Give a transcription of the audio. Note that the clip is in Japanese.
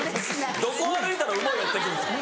どこを歩いたら馬寄ってくるんですか。